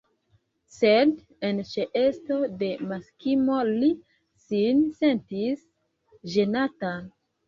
Sed en ĉeesto de Maksimo li sin sentis ĝenata.